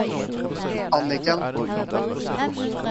A N N I C K E N